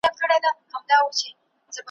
درنیژدې می که په مینه بې سببه بې پوښتنی `